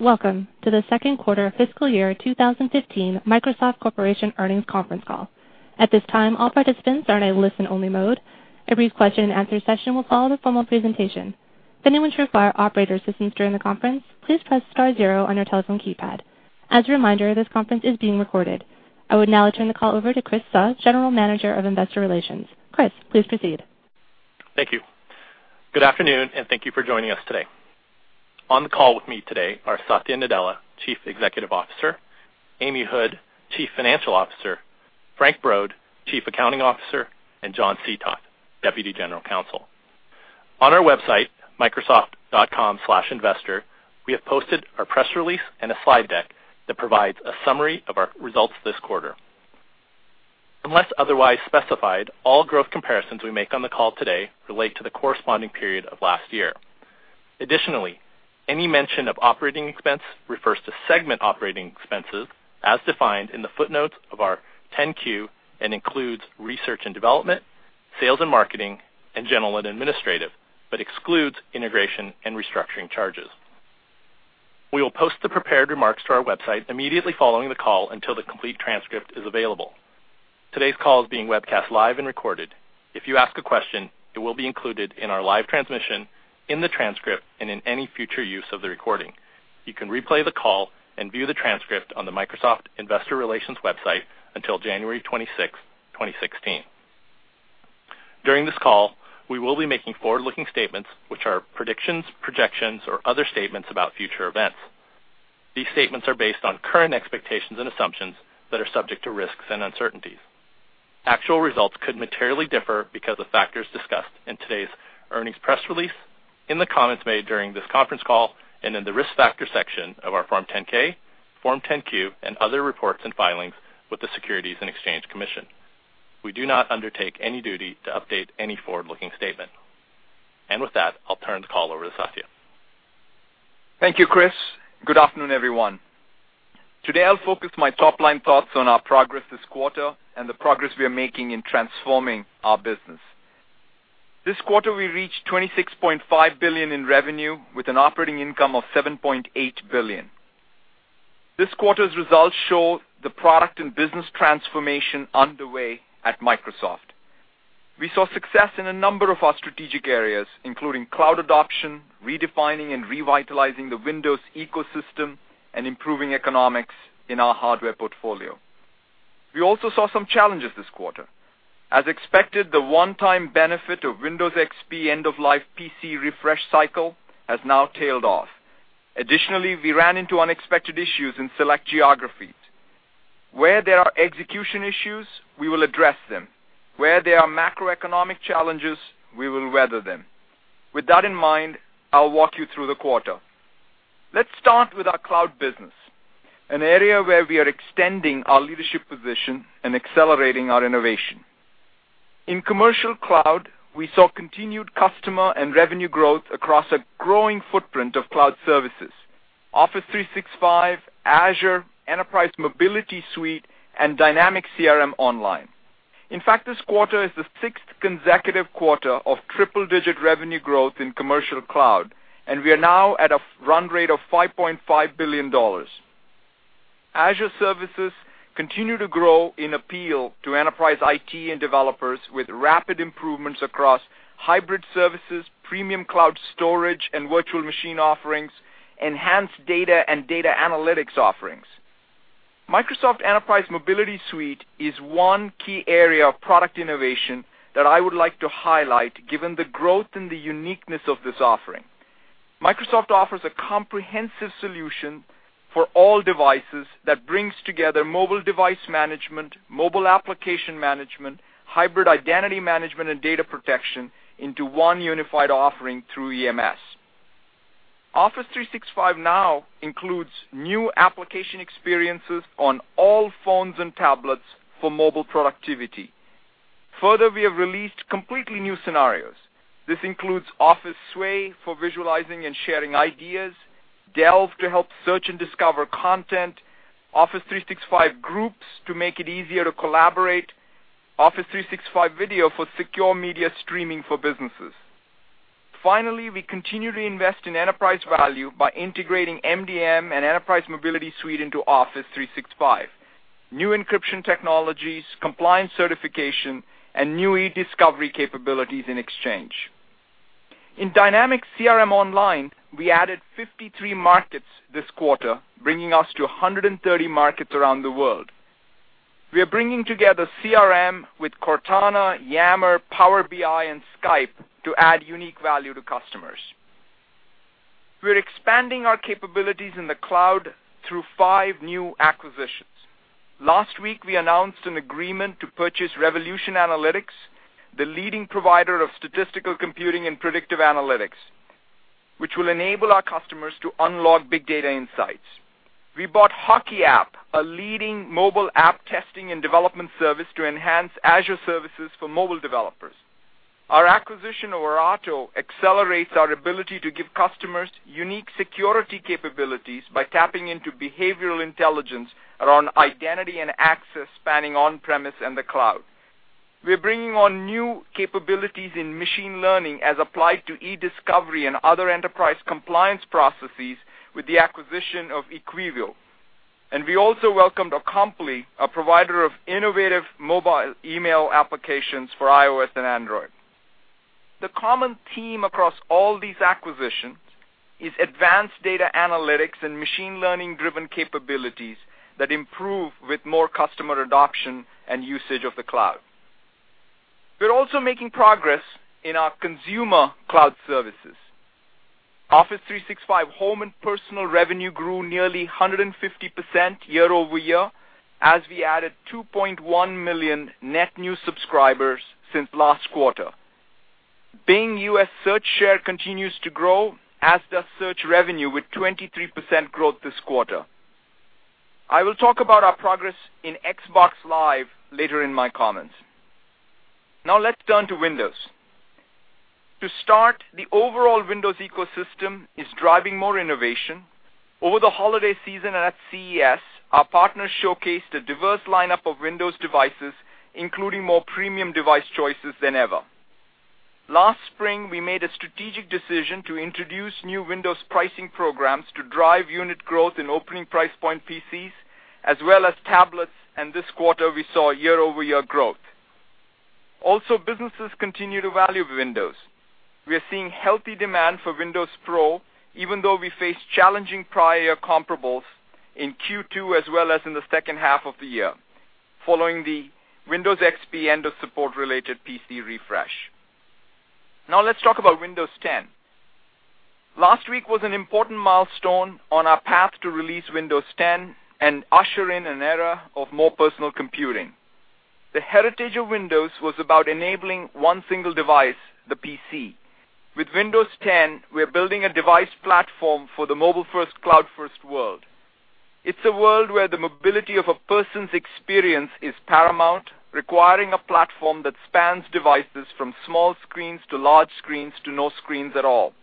Welcome to the second quarter fiscal year 2015 Microsoft Corporation earnings conference call. At this time, all participants are in a listen-only mode. A brief question-and-answer session will follow the formal presentation. If anyone should require operator assistance during the conference, please press star zero on your telephone keypad. As a reminder, this conference is being recorded. I would now turn the call over to Chris Suh, General Manager of Investor Relations. Chris, please proceed. Thank you. Good afternoon. Thank you for joining us today. On the call with me today are Satya Nadella, Chief Executive Officer, Amy Hood, Chief Financial Officer, Frank Brod, Chief Accounting Officer, and John Seethoff, Deputy General Counsel. On our website, microsoft.com/investor, we have posted our press release and a slide deck that provides a summary of our results this quarter. Unless otherwise specified, all growth comparisons we make on the call today relate to the corresponding period of last year. Additionally, any mention of operating expense refers to segment operating expenses as defined in the footnotes of our Form 10-Q and includes research and development, sales and marketing, and general and administrative, but excludes integration and restructuring charges. We will post the prepared remarks to our website immediately following the call until the complete transcript is available. Today's call is being webcast live and recorded. If you ask a question, it will be included in our live transmission, in the transcript, and in any future use of the recording. You can replay the call and view the transcript on the Microsoft Investor Relations website until January 26, 2016. During this call, we will be making forward-looking statements, which are predictions, projections, or other statements about future events. These statements are based on current expectations and assumptions that are subject to risks and uncertainties. Actual results could materially differ because of factors discussed in today's earnings press release, in the comments made during this conference call, and in the risk factor section of our Form 10-K, Form 10-Q, and other reports and filings with the Securities and Exchange Commission. We do not undertake any duty to update any forward-looking statement. With that, I'll turn the call over to Satya. Thank you, Chris. Good afternoon, everyone. Today, I'll focus my top-line thoughts on our progress this quarter and the progress we are making in transforming our business. This quarter, we reached $26.5 billion in revenue with an operating income of $7.8 billion. This quarter's results show the product and business transformation underway at Microsoft. We saw success in a number of our strategic areas, including cloud adoption, redefining and revitalizing the Windows ecosystem, and improving economics in our hardware portfolio. We also saw some challenges this quarter. As expected, the one-time benefit of Windows XP end-of-life PC refresh cycle has now tailed off. Additionally, we ran into unexpected issues in select geographies. Where there are execution issues, we will address them. Where there are macroeconomic challenges, we will weather them. With that in mind, I'll walk you through the quarter. Let's start with our cloud business, an area where we are extending our leadership position and accelerating our innovation. In commercial cloud, we saw continued customer and revenue growth across a growing footprint of cloud services, Office 365, Azure, Enterprise Mobility Suite, and Dynamics CRM Online. In fact, this quarter is the sixth consecutive quarter of triple-digit revenue growth in commercial cloud, and we are now at a run rate of $5.5 billion. Azure services continue to grow in appeal to enterprise IT and developers with rapid improvements across hybrid services, premium cloud storage and virtual machine offerings, enhanced data and data analytics offerings. Microsoft Enterprise Mobility Suite is one key area of product innovation that I would like to highlight given the growth and the uniqueness of this offering. Microsoft offers a comprehensive solution for all devices that brings together mobile device management, mobile application management, hybrid identity management, and data protection into one unified offering through EMS. Office 365 now includes new application experiences on all phones and tablets for mobile productivity. Further, we have released completely new scenarios. This includes Office Sway for visualizing and sharing ideas, Delve to help search and discover content, Office 365 Groups to make it easier to collaborate, Office 365 Video for secure media streaming for businesses. Finally, we continue to invest in enterprise value by integrating MDM and Enterprise Mobility Suite into Office 365, new encryption technologies, compliance certification, and new e-discovery capabilities in Exchange. In Dynamics CRM Online, we added 53 markets this quarter, bringing us to 130 markets around the world. We are bringing together CRM with Cortana, Yammer, Power BI, and Skype to add unique value to customers. We're expanding our capabilities in the cloud through five new acquisitions. Last week, we announced an agreement to purchase Revolution Analytics, the leading provider of statistical computing and predictive analytics, which will enable our customers to unlock big data insights. We bought HockeyApp, a leading mobile app testing and development service, to enhance Azure services for mobile developers. Our acquisition of Aorato accelerates our ability to give customers unique security capabilities by tapping into behavioral intelligence around identity and access spanning on-premise and the cloud. We're bringing on new capabilities in machine learning as applied to e-discovery and other enterprise compliance processes with the acquisition of Equivio. We also welcomed Acompli, a provider of innovative mobile email applications for iOS and Android. The common theme across all these acquisitions is advanced data analytics and machine learning-driven capabilities that improve with more customer adoption and usage of the cloud. We're also making progress in our consumer cloud services. Office 365 Home and personal revenue grew nearly 150% year-over-year as we added 2.1 million net new subscribers since last quarter. Bing U.S. search share continues to grow, as does search revenue, with 23% growth this quarter. I will talk about our progress in Xbox Live later in my comments. Now let's turn to Windows. To start, the overall Windows ecosystem is driving more innovation. Over the holiday season and at CES, our partners showcased a diverse lineup of Windows devices, including more premium device choices than ever. Last spring, we made a strategic decision to introduce new Windows pricing programs to drive unit growth in opening price point PCs, as well as tablets, and this quarter, we saw year-over-year growth. Also, businesses continue to value Windows. We are seeing healthy demand for Windows Pro, even though we face challenging prior comparables in Q2 as well as in the second half of the year, following the Windows XP end-of-support related PC refresh. Now let's talk about Windows 10. Last week was an important milestone on our path to release Windows 10 and usher in an era of more personal computing. The heritage of Windows was about enabling one single device, the PC. With Windows 10, we're building a device platform for the mobile-first, cloud-first world. It's a world where the mobility of a person's experience is paramount, requiring a platform that spans devices from small screens to large screens to no screens at all.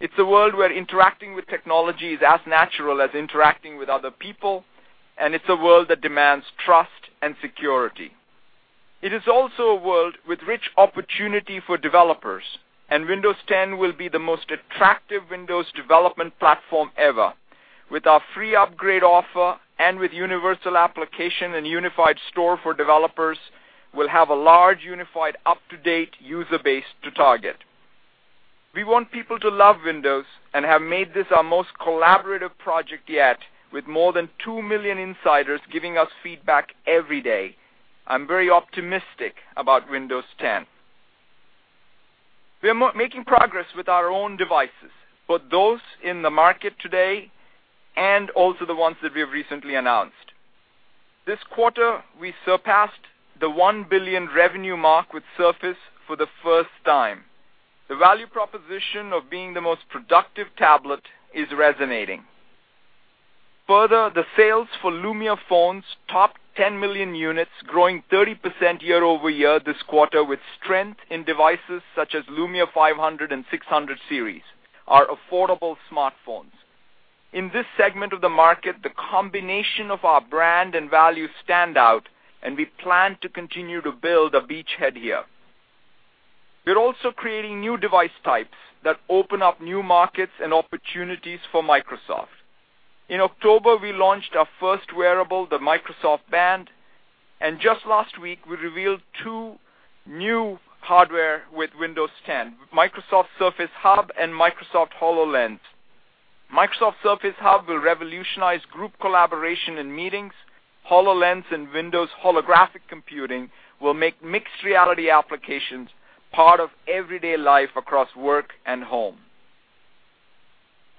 It's a world where interacting with technology is as natural as interacting with other people, and it's a world that demands trust and security. It is also a world with rich opportunity for developers. Windows 10 will be the most attractive Windows development platform ever. With our free upgrade offer and with universal application and unified store for developers, we'll have a large, unified, up-to-date user base to target. We want people to love Windows and have made this our most collaborative project yet, with more than 2 million insiders giving us feedback every day. I'm very optimistic about Windows 10. We're making progress with our own devices, both those in the market today and also the ones that we have recently announced. This quarter, we surpassed the $1 billion revenue mark with Surface for the first time. The value proposition of being the most productive tablet is resonating. Further, the sales for Lumia phones topped 10 million units, growing 30% year-over-year this quarter, with strength in devices such as Lumia 500 and 600 series, our affordable smartphones. In this segment of the market, the combination of our brand and value stand out. We plan to continue to build a beachhead here. We're also creating new device types that open up new markets and opportunities for Microsoft. In October, we launched our first wearable, the Microsoft Band. Just last week, we revealed two new hardware with Windows 10, Microsoft Surface Hub and Microsoft HoloLens. Microsoft Surface Hub will revolutionize group collaboration and meetings. HoloLens and Windows Holographic Computing will make mixed reality applications part of everyday life across work and home.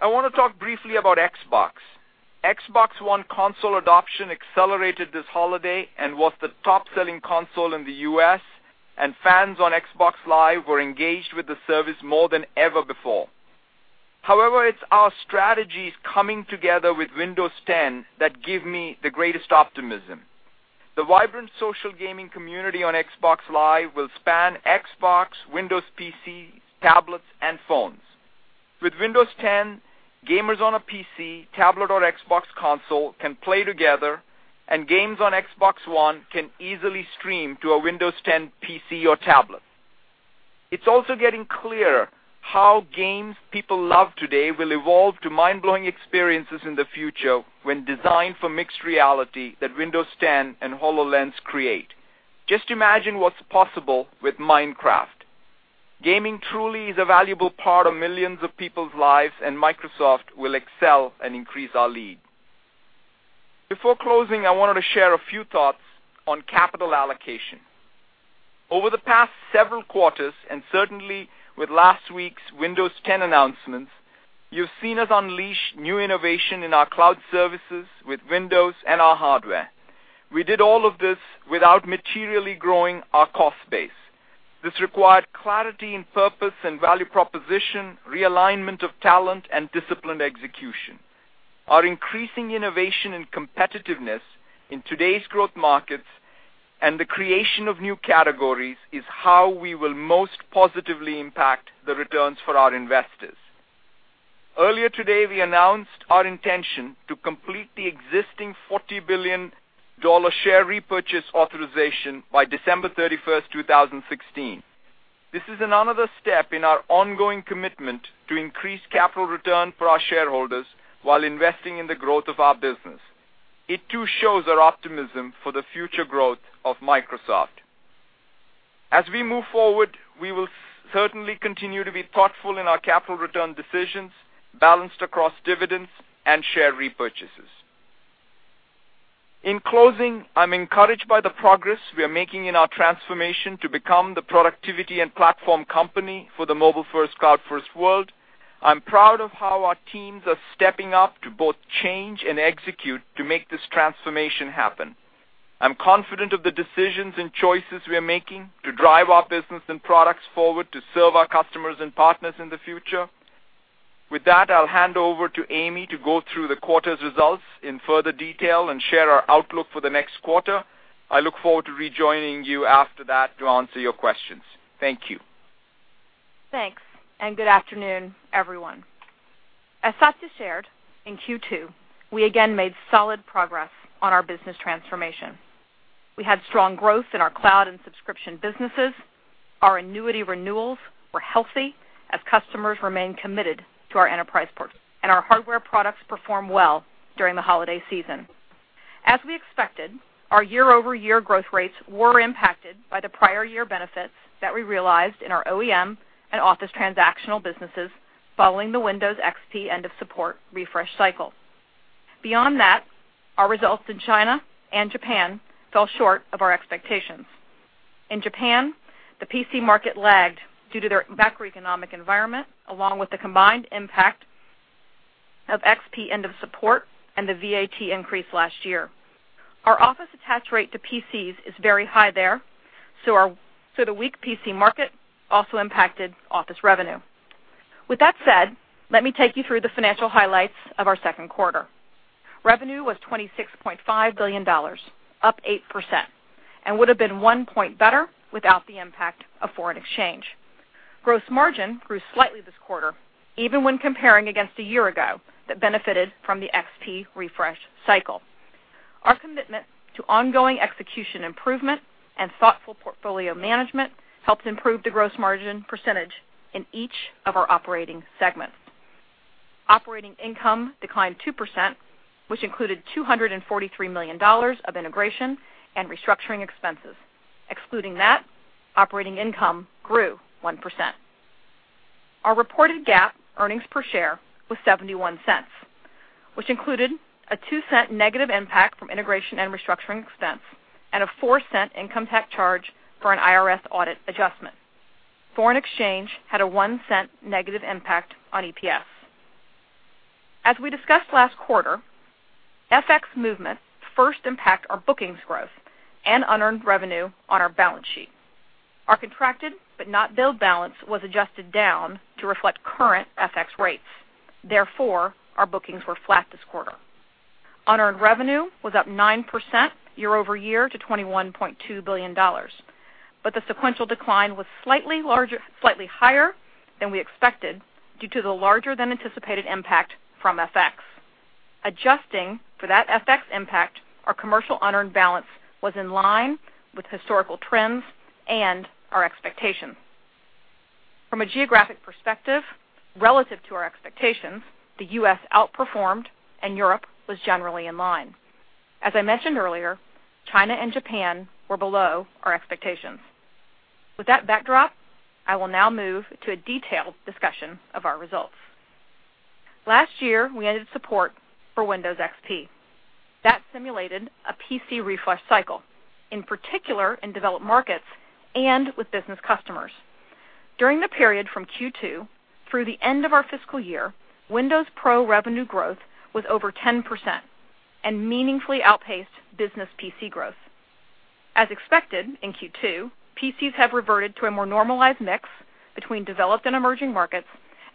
I want to talk briefly about Xbox. Xbox One console adoption accelerated this holiday and was the top-selling console in the U.S. Fans on Xbox Live were engaged with the service more than ever before. However, it's our strategies coming together with Windows 10 that give me the greatest optimism. The vibrant social gaming community on Xbox Live will span Xbox, Windows PCs, tablets, and phones. With Windows 10, gamers on a PC, tablet, or Xbox console can play together, and games on Xbox One can easily stream to a Windows 10 PC or tablet. It's also getting clearer how games people love today will evolve to mind-blowing experiences in the future when designed for mixed reality that Windows 10 and HoloLens create. Just imagine what's possible with Minecraft. Gaming truly is a valuable part of millions of people's lives. Microsoft will excel and increase our lead. Before closing, I wanted to share a few thoughts on capital allocation. Over the past several quarters, and certainly with last week's Windows 10 announcements, you've seen us unleash new innovation in our cloud services with Windows and our hardware. We did all of this without materially growing our cost base. This required clarity in purpose and value proposition, realignment of talent, and disciplined execution. Our increasing innovation and competitiveness in today's growth markets and the creation of new categories is how we will most positively impact the returns for our investors. Earlier today, we announced our intention to complete the existing $40 billion share repurchase authorization by December 31st, 2016. This is another step in our ongoing commitment to increase capital return for our shareholders while investing in the growth of our business. It too shows our optimism for the future growth of Microsoft. We will certainly continue to be thoughtful in our capital return decisions, balanced across dividends and share repurchases. In closing, I'm encouraged by the progress we are making in our transformation to become the productivity and platform company for the mobile-first, cloud-first world. I'm proud of how our teams are stepping up to both change and execute to make this transformation happen. I'm confident of the decisions and choices we are making to drive our business and products forward to serve our customers and partners in the future. With that, I'll hand over to Amy to go through the quarter's results in further detail and share our outlook for the next quarter. I look forward to rejoining you after that to answer your questions. Thank you. Thanks, good afternoon, everyone. Satya shared, in Q2, we again made solid progress on our business transformation. We had strong growth in our cloud and subscription businesses. Our annuity renewals were healthy as customers remained committed to our enterprise portfolio, and our hardware products performed well during the holiday season. As we expected, our year-over-year growth rates were impacted by the prior year benefits that we realized in our OEM and Office transactional businesses following the Windows XP end of support refresh cycle. Beyond that, our results in China and Japan fell short of our expectations. In Japan, the PC market lagged due to their macroeconomic environment, along with the combined impact of XP end of support and the VAT increase last year. Our Office attach rate to PCs is very high there. The weak PC market also impacted Office revenue. With that said, let me take you through the financial highlights of our second quarter. Revenue was $26.5 billion, up 8%, and would have been one point better without the impact of foreign exchange. Gross margin grew slightly this quarter, even when comparing against a year ago that benefited from the XP refresh cycle. Our commitment to ongoing execution improvement and thoughtful portfolio management helped improve the gross margin percentage in each of our operating segments. Operating income declined 2%, which included $243 million of integration and restructuring expenses. Excluding that, operating income grew 1%. Our reported GAAP earnings per share was $0.71, which included a $0.02 negative impact from integration and restructuring expense and a $0.04 income tax charge for an IRS audit adjustment. Foreign exchange had a $0.01 negative impact on EPS. As we discussed last quarter, FX movements first impact our bookings growth and unearned revenue on our balance sheet. Our contracted not billed balance was adjusted down to reflect current FX rates. Therefore, our bookings were flat this quarter. Unearned revenue was up 9% year-over-year to $21.2 billion. The sequential decline was slightly higher than we expected due to the larger than anticipated impact from FX. Adjusting for that FX impact, our commercial unearned balance was in line with historical trends and our expectations. From a geographic perspective, relative to our expectations, the U.S. outperformed and Europe was generally in line. As I mentioned earlier, China and Japan were below our expectations. With that backdrop, I will now move to a detailed discussion of our results. Last year, we ended support for Windows XP. That simulated a PC refresh cycle, in particular in developed markets and with business customers. During the period from Q2 through the end of our fiscal year, Windows Pro revenue growth was over 10% and meaningfully outpaced business PC growth. As expected in Q2, PCs have reverted to a more normalized mix between developed and emerging markets,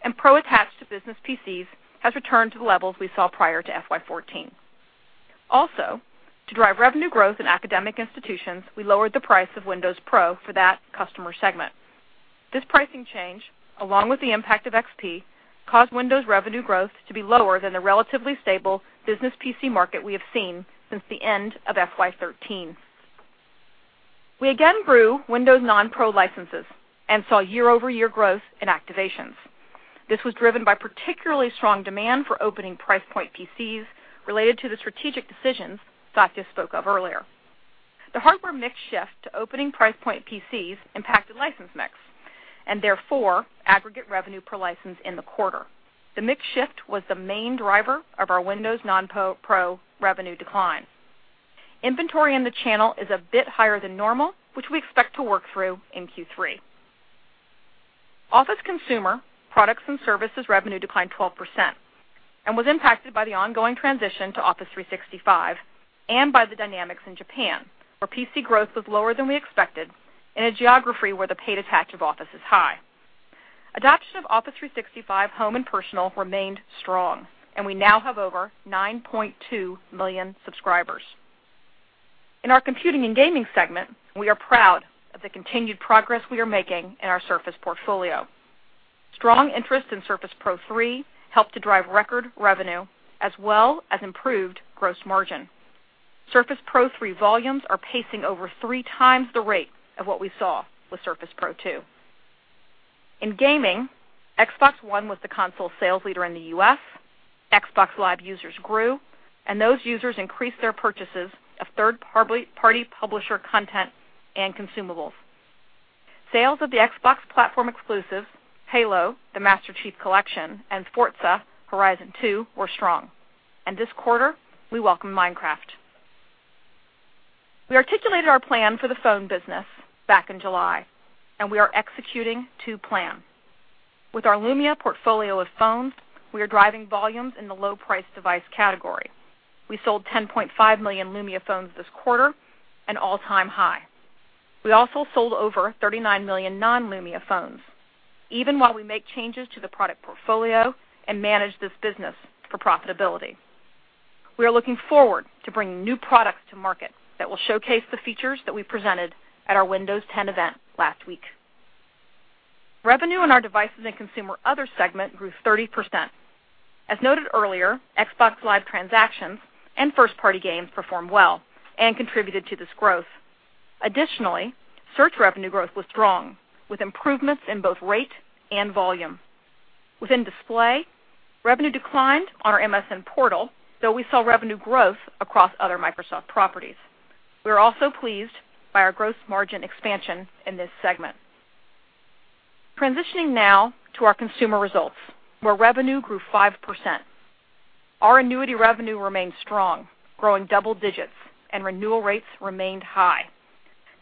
and Pro attached to business PCs has returned to the levels we saw prior to FY 2014. To drive revenue growth in academic institutions, we lowered the price of Windows Pro for that customer segment. This pricing change, along with the impact of XP, caused Windows revenue growth to be lower than the relatively stable business PC market we have seen since the end of FY 2013. We again grew Windows non-Pro licenses and saw year-over-year growth in activations. This was driven by particularly strong demand for opening price point PCs related to the strategic decisions Satya spoke of earlier. The hardware mix shift to opening price point PCs impacted license mix and therefore aggregate revenue per license in the quarter. The mix shift was the main driver of our Windows non-Pro revenue decline. Inventory in the channel is a bit higher than normal, which we expect to work through in Q3. Office Consumer products and services revenue declined 12% and was impacted by the ongoing transition to Office 365 and by the dynamics in Japan, where PC growth was lower than we expected in a geography where the paid attach of Office is high. Adoption of Office 365 Home and Personal remained strong, and we now have over 9.2 million subscribers. In our computing and gaming segment, we are proud of the continued progress we are making in our Surface portfolio. Strong interest in Surface Pro 3 helped to drive record revenue as well as improved gross margin. Surface Pro 3 volumes are pacing over three times the rate of what we saw with Surface Pro 2. In gaming, Xbox One was the console sales leader in the U.S., Xbox Live users grew, and those users increased their purchases of third-party publisher content and consumables. Sales of the Xbox platform exclusives, Halo: The Master Chief Collection and Forza Horizon 2, were strong. This quarter, we welcome Minecraft. We articulated our plan for the phone business back in July, and we are executing to plan. With our Lumia portfolio of phones, we are driving volumes in the low-price device category. We sold 10.5 million Lumia phones this quarter, an all-time high. We also sold over 39 million non-Lumia phones, even while we make changes to the product portfolio and manage this business for profitability. We are looking forward to bringing new products to market that will showcase the features that we presented at our Windows 10 event last week. Revenue in our devices and consumer other segment grew 30%. As noted earlier, Xbox Live transactions and first-party games performed well and contributed to this growth. Additionally, search revenue growth was strong, with improvements in both rate and volume. Within display, revenue declined on our MSN portal, though we saw revenue growth across other Microsoft properties. We are also pleased by our gross margin expansion in this segment. Transitioning now to our consumer results, where revenue grew 5%. Our annuity revenue remained strong, growing double digits, and renewal rates remained high.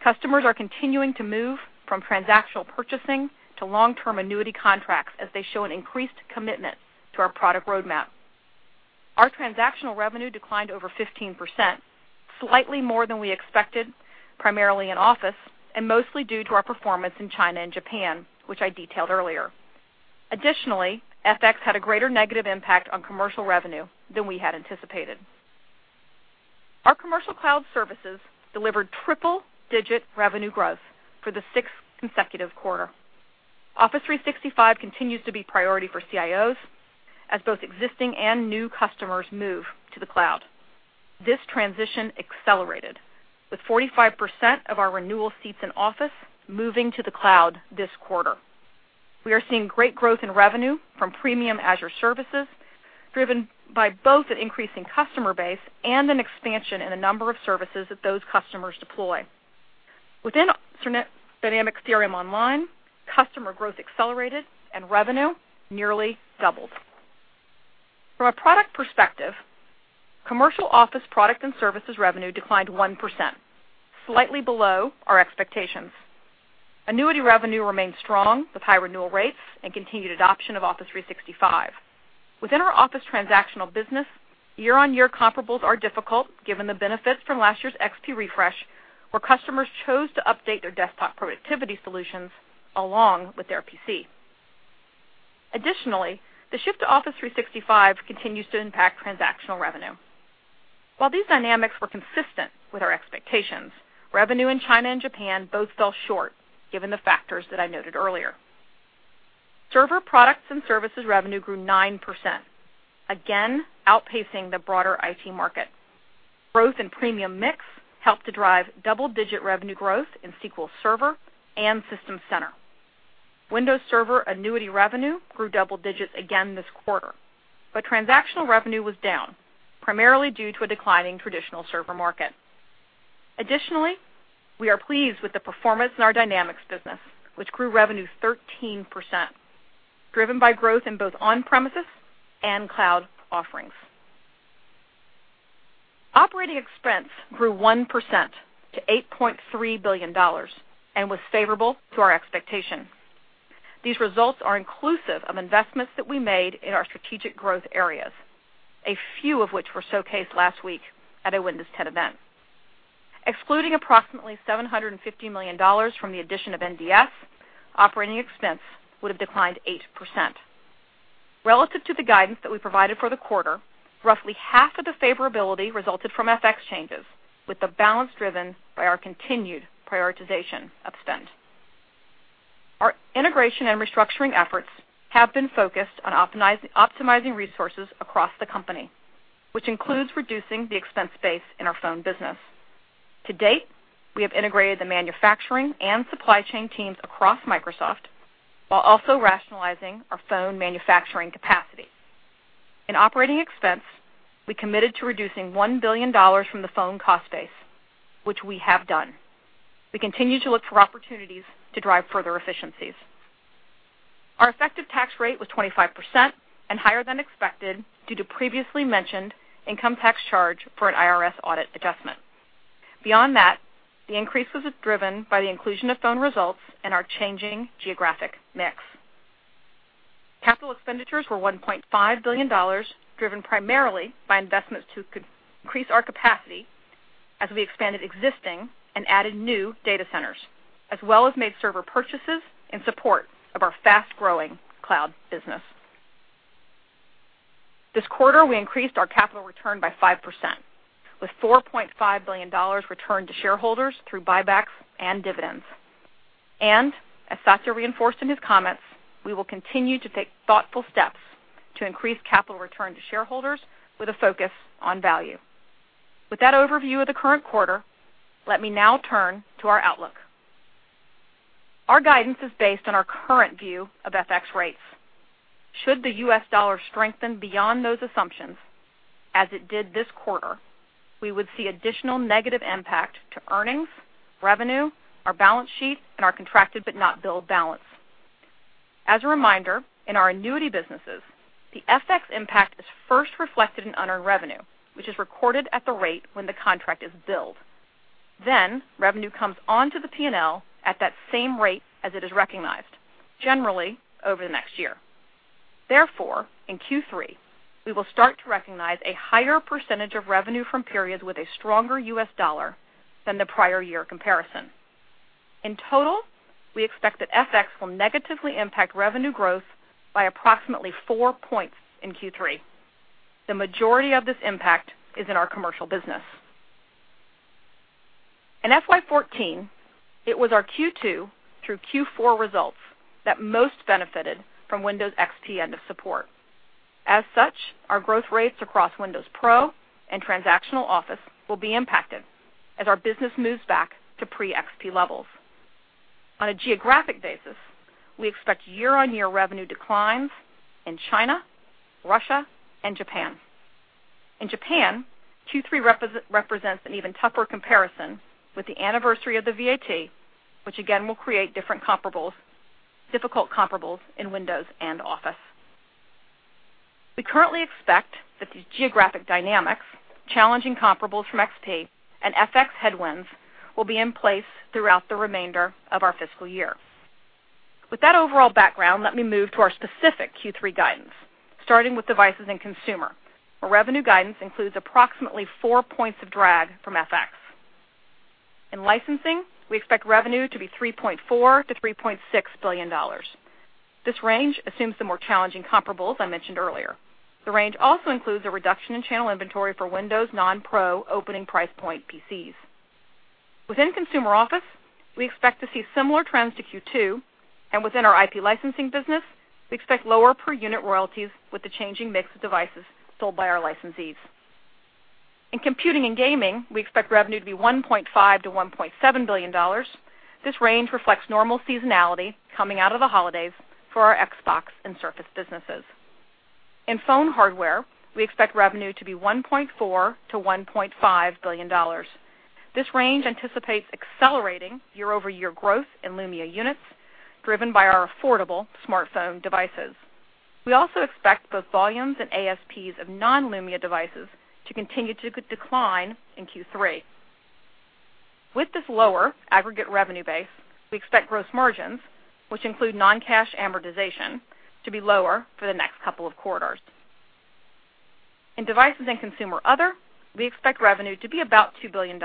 Customers are continuing to move from transactional purchasing to long-term annuity contracts as they show an increased commitment to our product roadmap. Our transactional revenue declined over 15%, slightly more than we expected, primarily in Office, and mostly due to our performance in China and Japan, which I detailed earlier. Additionally, FX had a greater negative impact on commercial revenue than we had anticipated. Our commercial cloud services delivered triple-digit revenue growth for the sixth consecutive quarter. Office 365 continues to be priority for CIOs as both existing and new customers move to the cloud. This transition accelerated, with 45% of our renewal seats in Office moving to the cloud this quarter. We are seeing great growth in revenue from premium Azure services, driven by both an increasing customer base and an expansion in the number of services that those customers deploy. Within Dynamics CRM Online, customer growth accelerated and revenue nearly doubled. From a product perspective, commercial Office product and services revenue declined 1%, slightly below our expectations. Annuity revenue remained strong with high renewal rates and continued adoption of Office 365. Within our Office transactional business, year-on-year comparables are difficult given the benefits from last year's XP refresh, where customers chose to update their desktop productivity solutions along with their PC. Additionally, the shift to Office 365 continues to impact transactional revenue. While these dynamics were consistent with our expectations, revenue in China and Japan both fell short given the factors that I noted earlier. Server products and services revenue grew 9%, again outpacing the broader IT market. Growth in premium mix helped to drive double-digit revenue growth in SQL Server and System Center. Windows Server annuity revenue grew double digits again this quarter, but transactional revenue was down, primarily due to a declining traditional server market. Additionally, we are pleased with the performance in our Dynamics business, which grew revenue 13%, driven by growth in both on-premises and cloud offerings. Operating expense grew 1% to $8.3 billion and was favorable to our expectation. These results are inclusive of investments that we made in our strategic growth areas, a few of which were showcased last week at a Windows 10 event. Excluding approximately $750 million from the addition of NDS, operating expense would have declined 8%. Relative to the guidance that we provided for the quarter, roughly half of the favorability resulted from FX changes, with the balance driven by our continued prioritization of spend. Our integration and restructuring efforts have been focused on optimizing resources across the company, which includes reducing the expense base in our phone business. To date, we have integrated the manufacturing and supply chain teams across Microsoft while also rationalizing our phone manufacturing capacity. In operating expense, we committed to reducing $1 billion from the phone cost base, which we have done. We continue to look for opportunities to drive further efficiencies. Our effective tax rate was 25% and higher than expected due to previously mentioned income tax charge for an IRS audit adjustment. Beyond that, the increase was driven by the inclusion of phone results and our changing geographic mix. Capital expenditures were $1.5 billion, driven primarily by investments to increase our capacity as we expanded existing and added new data centers, as well as made server purchases in support of our fast-growing cloud business. This quarter, we increased our capital return by 5%, with $4.5 billion returned to shareholders through buybacks and dividends. As Satya reinforced in his comments, we will continue to take thoughtful steps to increase capital return to shareholders with a focus on value. With that overview of the current quarter, let me now turn to our outlook. Our guidance is based on our current view of FX rates. Should the US dollar strengthen beyond those assumptions, as it did this quarter, we would see additional negative impact to earnings, revenue, our balance sheet, and our contracted not billed balance. As a reminder, in our annuity businesses, the FX impact is first reflected in unearned revenue, which is recorded at the rate when the contract is billed. Revenue comes onto the P&L at that same rate as it is recognized, generally over the next year. In Q3, we will start to recognize a higher percentage of revenue from periods with a stronger US dollar than the prior year comparison. In total, we expect that FX will negatively impact revenue growth by approximately four points in Q3. The majority of this impact is in our commercial business. In FY 2014, it was our Q2 through Q4 results that most benefited from Windows XP end of support. As such, our growth rates across Windows Pro and transactional Office will be impacted as our business moves back to pre-XP levels. On a geographic basis, we expect year-on-year revenue declines in China, Russia, and Japan. In Japan, Q3 represents an even tougher comparison with the anniversary of the VAT, which again will create difficult comparables in Windows and Office. We currently expect that these geographic dynamics, challenging comparables from XP, and FX headwinds will be in place throughout the remainder of our fiscal year. With that overall background, let me move to our specific Q3 guidance, starting with devices and consumer, where revenue guidance includes approximately four points of drag from FX. In licensing, we expect revenue to be $3.4 billion-$3.6 billion. This range assumes the more challenging comparables I mentioned earlier. The range also includes a reduction in channel inventory for Windows non-Pro opening price point PCs. Within Consumer Office, we expect to see similar trends to Q2, and within our IP licensing business, we expect lower per-unit royalties with the changing mix of devices sold by our licensees. In computing and gaming, we expect revenue to be $1.5 billion-$1.7 billion. This range reflects normal seasonality coming out of the holidays for our Xbox and Surface businesses. In phone hardware, we expect revenue to be $1.4 billion-$1.5 billion. This range anticipates accelerating year-over-year growth in Lumia units driven by our affordable smartphone devices. We also expect both volumes and ASPs of non-Lumia devices to continue to decline in Q3. With this lower aggregate revenue base, we expect gross margins, which include non-cash amortization, to be lower for the next couple of quarters. In devices and consumer other, we expect revenue to be about $2 billion,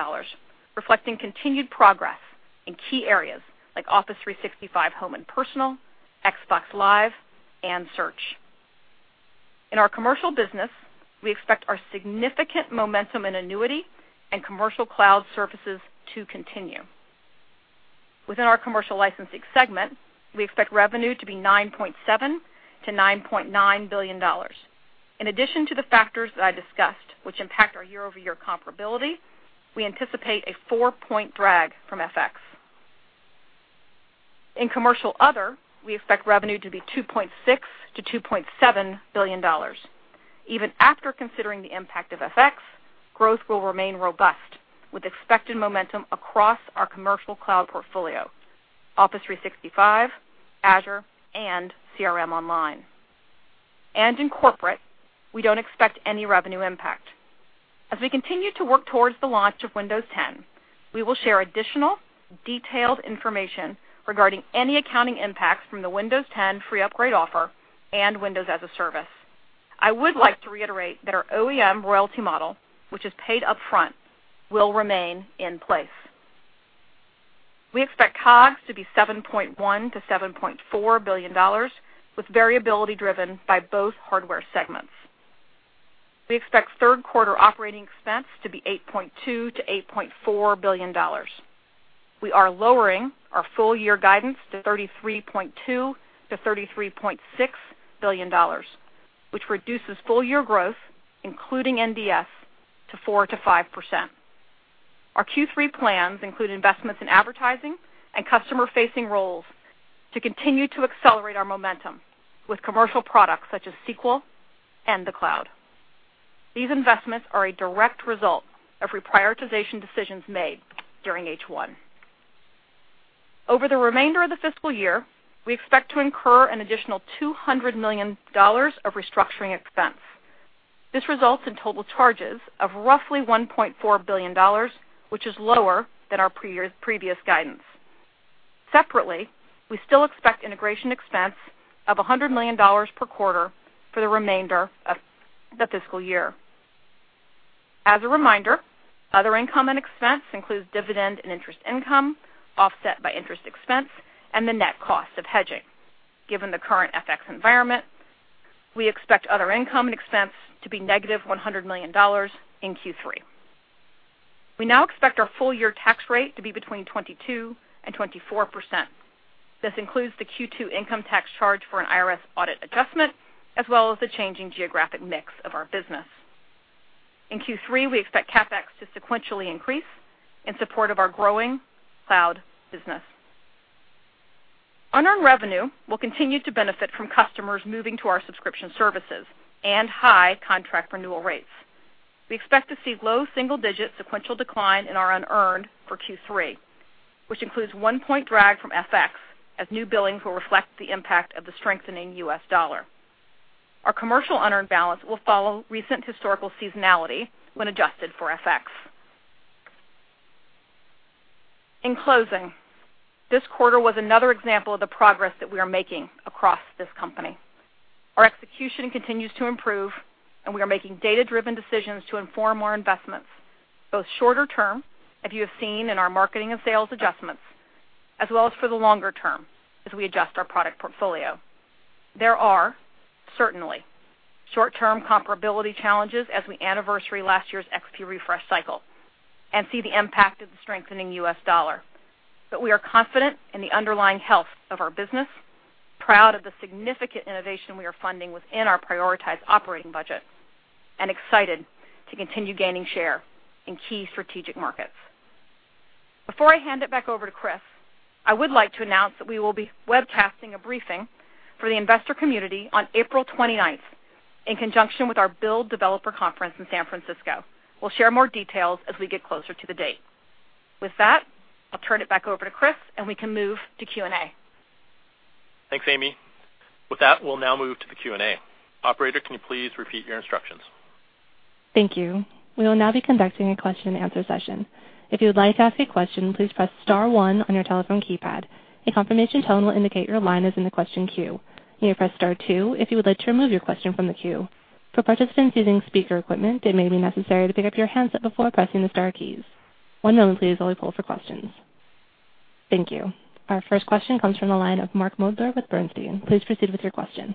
reflecting continued progress in key areas like Office 365 Home and Personal, Xbox Live, and Search. In our commercial business, we expect our significant momentum in annuity and commercial cloud services to continue. Within our commercial licensing segment, we expect revenue to be $9.7 billion-$9.9 billion. In addition to the factors that I discussed, which impact our year-over-year comparability, we anticipate a 4-point drag from FX. In commercial other, we expect revenue to be $2.6 billion-$2.7 billion. Even after considering the impact of FX, growth will remain robust with expected momentum across our commercial cloud portfolio, Office 365, Azure, and CRM Online. In corporate, we don't expect any revenue impact. As we continue to work towards the launch of Windows 10, we will share additional detailed information regarding any accounting impacts from the Windows 10 free upgrade offer and Windows as a service. I would like to reiterate that our OEM royalty model, which is paid upfront, will remain in place. We expect COGS to be $7.1 billion-$7.4 billion, with variability driven by both hardware segments. We expect third-quarter operating expense to be $8.2 billion-$8.4 billion. We are lowering our full-year guidance to $33.2 billion-$33.6 billion, which reduces full-year growth, including NDS, to 4%-5%. Our Q3 plans include investments in advertising and customer-facing roles to continue to accelerate our momentum with commercial products such as SQL and the cloud. These investments are a direct result of reprioritization decisions made during H1. Over the remainder of the fiscal year, we expect to incur an additional $200 million of restructuring expense. This results in total charges of roughly $1.4 billion, which is lower than our previous guidance. Separately, we still expect integration expense of $100 million per quarter for the remainder of the fiscal year. As a reminder, other income and expense includes dividend and interest income offset by interest expense and the net cost of hedging. Given the current FX environment, we expect other income and expense to be negative $100 million in Q3. We now expect our full-year tax rate to be between 22% and 24%. This includes the Q2 income tax charge for an IRS audit adjustment as well as the changing geographic mix of our business. In Q3, we expect CapEx to sequentially increase in support of our growing cloud business. Unearned revenue will continue to benefit from customers moving to our subscription services and high contract renewal rates. We expect to see low single-digit sequential decline in our unearned for Q3, which includes 1-point drag from FX as new billings will reflect the impact of the strengthening U.S. dollar. Our commercial unearned balance will follow recent historical seasonality when adjusted for FX. In closing, this quarter was another example of the progress that we are making across this company. Our execution continues to improve, we are making data-driven decisions to inform our investments, both shorter term, as you have seen in our marketing and sales adjustments, as well as for the longer term as we adjust our product portfolio. There are certainly short-term comparability challenges as we anniversary last year's XP refresh cycle and see the impact of the strengthening U.S. dollar. We are confident in the underlying health of our business, proud of the significant innovation we are funding within our prioritized operating budget, and excited to continue gaining share in key strategic markets. Before I hand it back over to Chris, I would like to announce that we will be webcasting a briefing for the investor community on April 29th, in conjunction with our Build Developer Conference in San Francisco. We'll share more details as we get closer to the date. With that, I'll turn it back over to Chris, we can move to Q&A. Thanks, Amy. With that, we'll now move to the Q&A. Operator, can you please repeat your instructions? Thank you. We will now be conducting a question and answer session. If you would like to ask a question, please press *1 on your telephone keypad. A confirmation tone will indicate your line is in the question queue. You may press *2 if you would like to remove your question from the queue. For participants using speaker equipment, it may be necessary to pick up your handset before pressing the star keys. One moment please while we poll for questions. Thank you. Our first question comes from the line of Mark Moerdler with Bernstein. Please proceed with your question.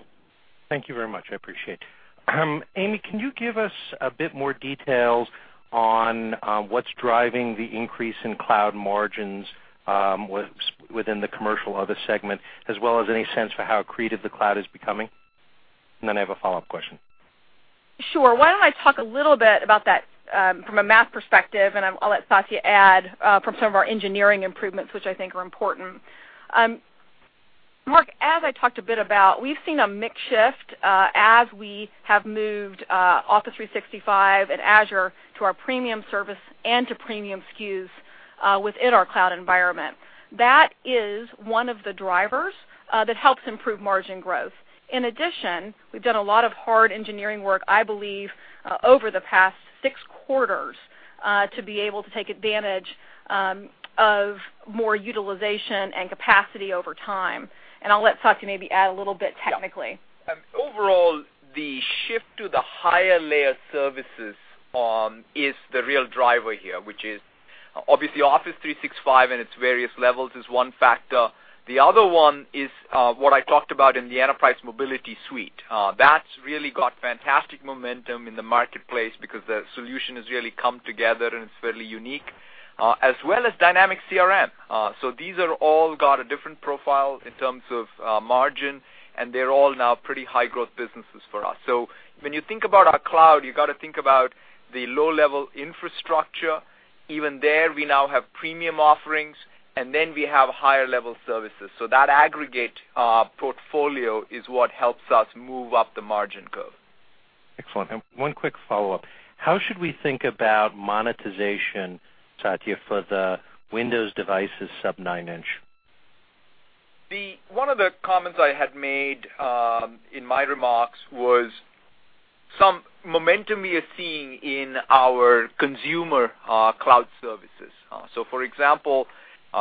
Thank you very much. I appreciate it. Amy, can you give us a bit more details on what's driving the increase in cloud margins within the commercial other segment, as well as any sense for how accretive the cloud is becoming? Then I have a follow-up question. Sure. Why don't I talk a little bit about that from a math perspective, I'll let Satya add from some of our engineering improvements, which I think are important. Mark, as I talked a bit about, we've seen a mix shift as we have moved Office 365 and Azure to our premium service and to premium SKUs within our cloud environment. That is one of the drivers that helps improve margin growth. In addition, we've done a lot of hard engineering work, I believe, over the past six quarters to be able to take advantage of more utilization and capacity over time. I'll let Satya maybe add a little bit technically. Yeah. Overall, the shift to the higher layer services is the real driver here, which is obviously Office 365 and its various levels is one factor. The other one is what I talked about in the Enterprise Mobility Suite. That's really got fantastic momentum in the marketplace because the solution has really come together and it's fairly unique, as well as Dynamics CRM. These have all got a different profile in terms of margin, and they're all now pretty high-growth businesses for us. When you think about our cloud, you got to think about the low-level infrastructure. Even there, we now have premium offerings, and then we have higher-level services. That aggregate portfolio is what helps us move up the margin curve. Excellent. One quick follow-up. How should we think about monetization, Satya, for the Windows devices sub-nine inch? One of the comments I had made in my remarks was some momentum we are seeing in our consumer cloud services. For example,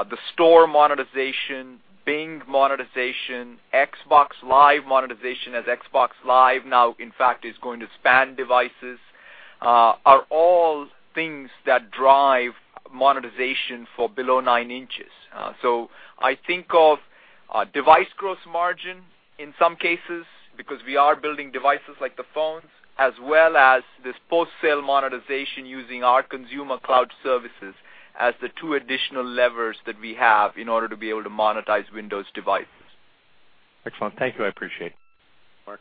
the store monetization, Bing monetization, Xbox Live monetization as Xbox Live now in fact is going to span devices, are all things that drive monetization for below nine inches. I think of device gross margin in some cases because we are building devices like the phones as well as this post-sale monetization using our consumer cloud services as the two additional levers that we have in order to be able to monetize Windows devices. Excellent. Thank you. I appreciate it. Mark.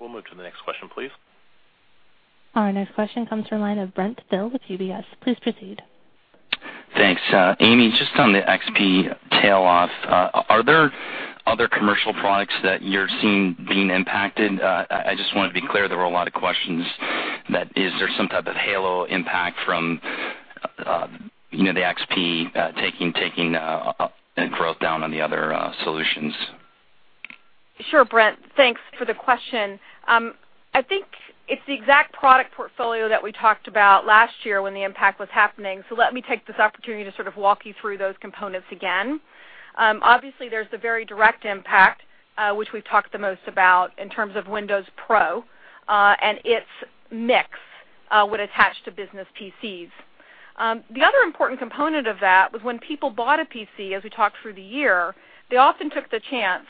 We'll move to the next question, please. Our next question comes from the line of Brent Thill with UBS. Please proceed. Thanks, Amy. Just on the XP tail off, are there other commercial products that you're seeing being impacted? I just wanted to be clear. There were a lot of questions that is there some type of halo impact from the XP taking growth down on the other solutions? Sure, Brent. Thanks for the question. I think it's the exact product portfolio that we talked about last year when the impact was happening. Let me take this opportunity to sort of walk you through those components again. Obviously, there's the very direct impact, which we've talked the most about in terms of Windows Pro, and its mix would attach to business PCs. The other important component of that was when people bought a PC, as we talked through the year, they often took the chance,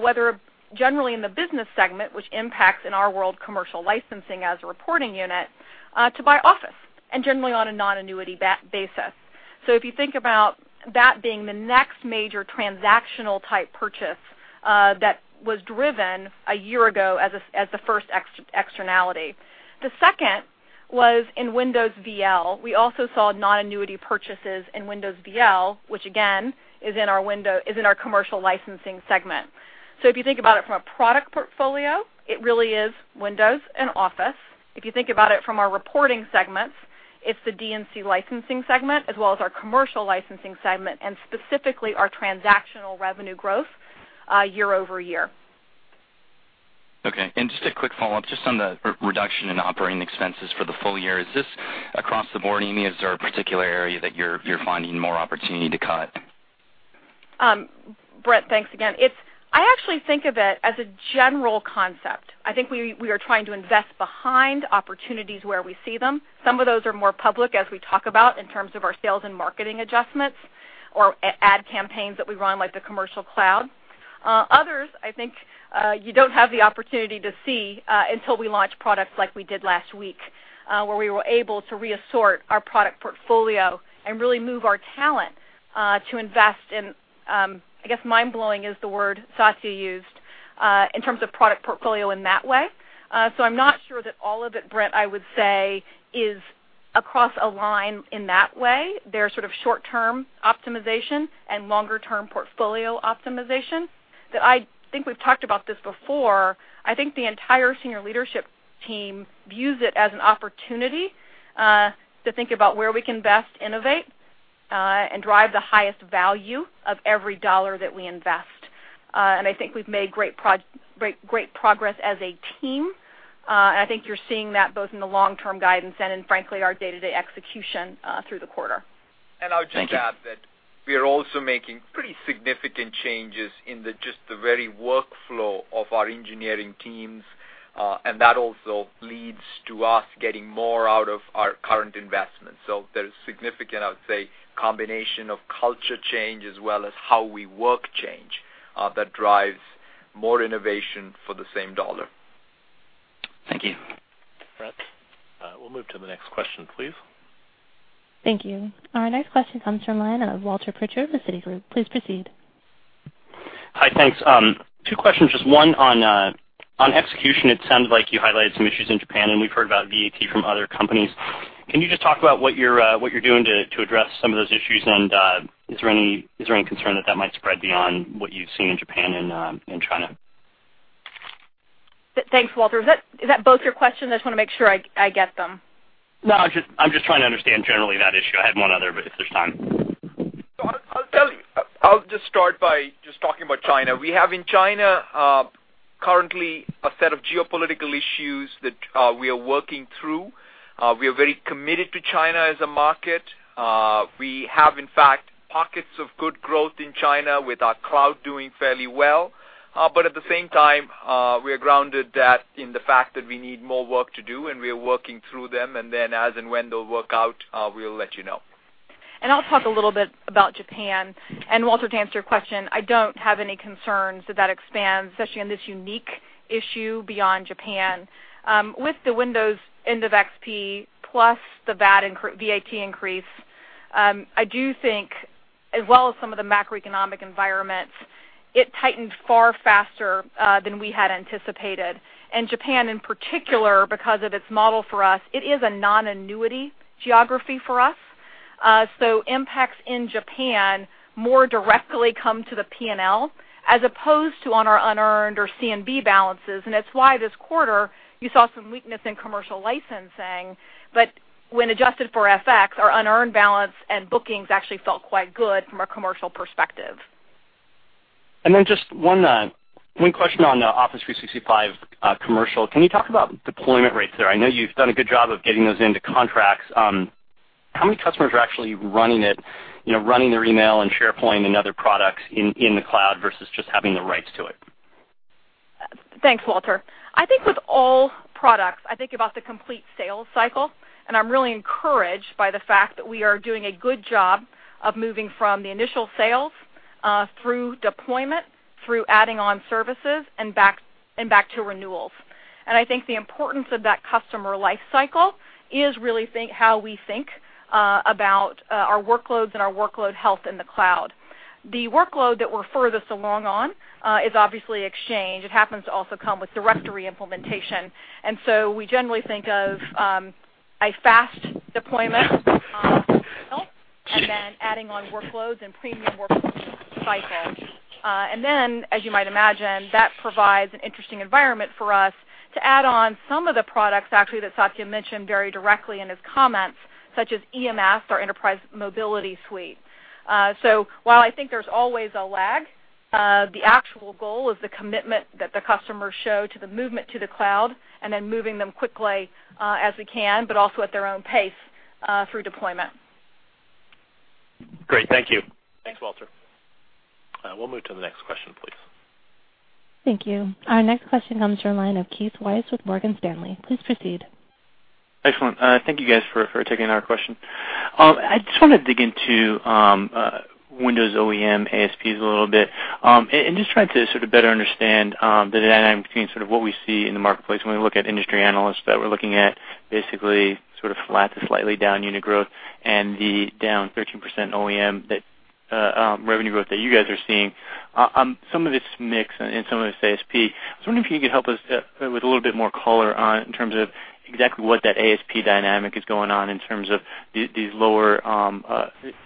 whether generally in the business segment, which impacts in our world Commercial Licensing as a reporting unit, to buy Office, and generally on a non-annuity basis. If you think about that being the next major transactional-type purchase that was driven a year ago as the first externality. The second was in Windows VL. We also saw non-annuity purchases in Windows VL, which again, is in our Commercial Licensing segment. If you think about it from a product portfolio, it really is Windows and Office. If you think about it from our reporting segments, it's the D&C Licensing segment, as well as our Commercial Licensing segment, and specifically our transactional revenue growth year-over-year. Okay. Just a quick follow-up, just on the reduction in operating expenses for the full year. Is this across the board, Amy? Is there a particular area that you're finding more opportunity to cut? Brent, thanks again. I actually think of it as a general concept. I think we are trying to invest behind opportunities where we see them. Some of those are more public, as we talk about in terms of our sales and marketing adjustments or ad campaigns that we run, like the commercial cloud. Others, I think, you don't have the opportunity to see until we launch products like we did last week, where we were able to re-assort our product portfolio and really move our talent to invest in, I guess "mind-blowing" is the word Satya used, in terms of product portfolio in that way. I'm not sure that all of it, Brent, I would say, is across a line in that way. They're sort of short-term optimization and longer-term portfolio optimization. I think we've talked about this before. I think the entire senior leadership team views it as an opportunity to think about where we can best innovate and drive the highest value of every dollar that we invest. I think we've made great progress as a team, and I think you're seeing that both in the long-term guidance and in, frankly, our day-to-day execution through the quarter. Thank you. I'll just add that we are also making pretty significant changes in just the very workflow of our engineering teams, and that also leads to us getting more out of our current investments. There's significant, I would say, combination of culture change as well as how we work change that drives more innovation for the same dollar. Thank you. Brent. We'll move to the next question, please. Thank you. Our next question comes from the line of Walter Pritchard with Citigroup. Please proceed. Hi, thanks. Two questions. Just one on execution. It sounds like you highlighted some issues in Japan, and we've heard about VAT from other companies. Can you just talk about what you're doing to address some of those issues? And is there any concern that that might spread beyond what you've seen in Japan and China? Thanks, Walter. Is that both your questions? I just want to make sure I get them. I'm just trying to understand generally that issue. I had one other, but if there's time. I'll just start by just talking about China. We have in China currently a set of geopolitical issues that we are working through. We are very committed to China as a market. We have, in fact, pockets of good growth in China with our cloud doing fairly well. At the same time, we are grounded that in the fact that we need more work to do, and we are working through them, as and when they'll work out, we'll let you know. I'll talk a little bit about Japan. Walter, to answer your question, I don't have any concerns that expands, especially on this unique issue beyond Japan. With the Windows end of XP plus the VAT increase, I do think as well as some of the macroeconomic environments, it tightened far faster than we had anticipated. Japan, in particular, because of its model for us, it is a non-annuity geography for us. Impacts in Japan more directly come to the P&L as opposed to on our unearned or C&B balances. That's why this quarter you saw some weakness in commercial licensing, but when adjusted for FX, our unearned balance and bookings actually felt quite good from a commercial perspective. Just one question on Office 365 commercial. Can you talk about deployment rates there? I know you've done a good job of getting those into contracts. How many customers are actually running their email and SharePoint and other products in the cloud versus just having the rights to it? Thanks, Walter. I think with all products, I think about the complete sales cycle, I'm really encouraged by the fact that we are doing a good job of moving from the initial sales through deployment, through adding on services and back to renewals. I think the importance of that customer life cycle is really how we think about our workloads and our workload health in the cloud. The workload that we're furthest along on is obviously Exchange. It happens to also come with directory implementation. We generally think of a fast deployment and then adding on workloads and premium workloads cycle. As you might imagine, that provides an interesting environment for us to add on some of the products, actually, that Satya mentioned very directly in his comments, such as EMS, our Enterprise Mobility Suite. While I think there's always a lag, the actual goal is the commitment that the customers show to the movement to the cloud moving them quickly as we can, but also at their own pace through deployment. Great. Thank you. Thanks, Walter. We'll move to the next question, please. Thank you. Our next question comes from the line of Keith Weiss with Morgan Stanley. Please proceed. Excellent. Thank you guys for taking our question. I just want to dig into Windows OEM ASPs a little bit, and just trying to sort of better understand the dynamic between sort of what we see in the marketplace when we look at industry analysts, that we're looking at basically sort of flat to slightly down unit growth and the -13% OEM revenue growth that you guys are seeing. Some of it's mix and some of it's ASP. I was wondering if you could help us with a little bit more color in terms of exactly what that ASP dynamic is going on in terms of these lower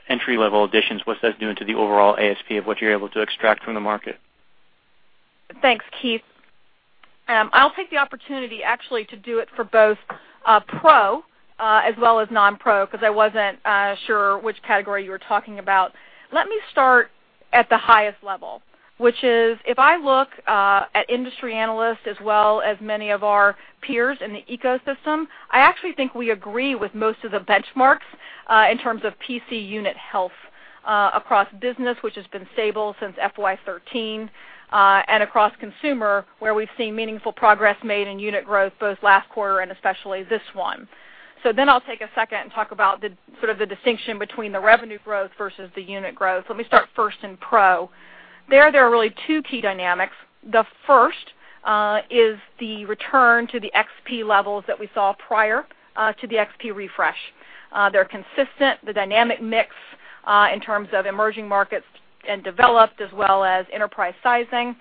entry-level additions, what's that doing to the overall ASP of what you're able to extract from the market? Thanks, Keith. I'll take the opportunity actually to do it for both Pro as well as non-Pro, because I wasn't sure which category you were talking about. Let me start at the highest level, which is if I look at industry analysts as well as many of our peers in the ecosystem, I actually think we agree with most of the benchmarks in terms of PC unit health across business, which has been stable since FY 2013, and across consumer, where we've seen meaningful progress made in unit growth both last quarter and especially this one. I'll take a second and talk about the sort of the distinction between the revenue growth versus the unit growth. Let me start first in Pro. There, there are really two key dynamics. The first is the return to the Windows XP levels that we saw prior to the Windows XP refresh. They're consistent. The dynamic mix in terms of emerging markets and developed as well as enterprise sizing